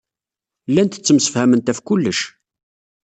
Llant ttemsefhament ɣef kullec.